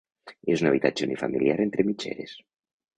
És un habitatge unifamiliar entre mitgeres.